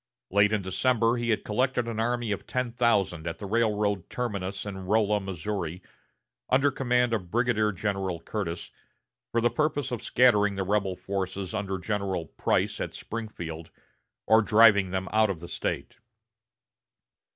Late in December he had collected an army of ten thousand at the railroad terminus at Rolla, Missouri, under command of Brigadier General Curtis, for the purpose of scattering the rebel forces under General Price at Springfield or driving them out of the State.